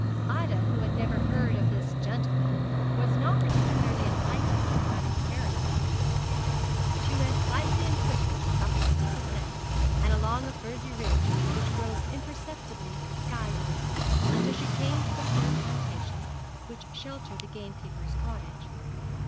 Ida, who had never heard of this gentleman, was not particularly enlightened by the comparison. She went lightly and quickly up the steep ascent, and along a furzy ridge which rose imperceptibly skywards, until she came to the fir plantation which sheltered the gamekeeper's cottage.